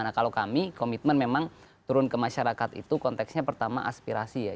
nah kalau kami komitmen memang turun ke masyarakat itu konteksnya pertama aspirasi ya